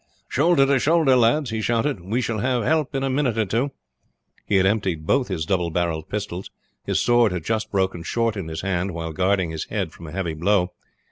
"Shoulder to shoulder, lads!" he shouted. "We shall have help in a minute or two." He had emptied both his double barrelled pistols. His sword had just broken short in his hand while guarding his head from a heavy blow.